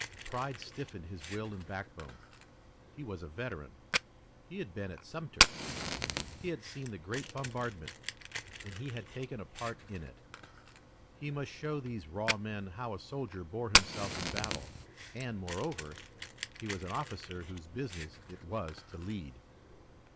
Pride stiffened his will and backbone. He was a veteran. He had been at Sumter. He had seen the great bombardment, and he had taken a part in it. He must show these raw men how a soldier bore himself in battle, and, moreover, he was an officer whose business it was to lead.